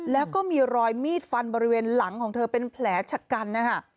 แล้วก็มีรอยมีดฟันบริเวณหลังของเธอเป็นแผลชะกันนะฮะ